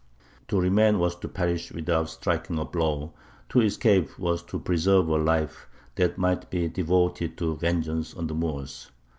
To remain was to perish without striking a blow; to escape was to preserve a life that might be devoted to vengeance on the Moors.